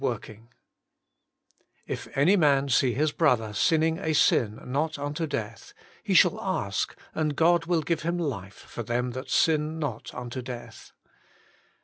XXIX ' If any man see his brother sinning a sin not unto death, he shall ask, and God will give him life for them that sin not unto death.'